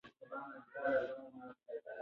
آیا نقاله په کار نه راوړئ ترڅو درجه غلطه نه سی؟